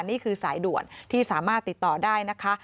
นี่คือสายด่วนที่สามารถติดต่อได้นะคะ